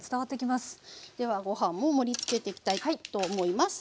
ではご飯も盛りつけていきたいと思います。